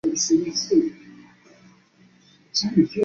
南兰丁是位于美国加利福尼亚州莫诺县的一个非建制地区。